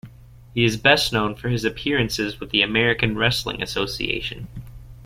He is best known for his appearances with the American Wrestling Association.